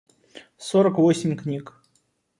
сорок восемь книг